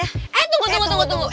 eh tunggu tunggu tunggu